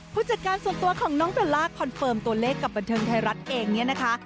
ผู้จัดการส่วนตัวของน้องเบลล่าคอนเฟิร์มตัวเลขกับบันเทิงไทยรัฐเองเนี่ยนะคะ